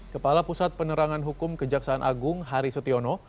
kepala pusat penerangan hukum kejaksaan agung hari setiono